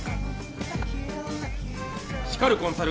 「叱るコンサル